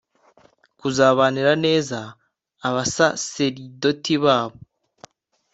kuzabanira neza abasaseridoti babo.